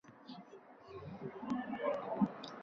Oqibatda Afrika qirg‘og‘iga atigi bitta legion bilan yetib keladi